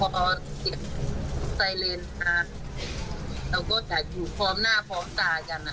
พอเสียงไซเรนดังเราก็อยากอยู่พร้อมหน้าพร้อมตากันนะ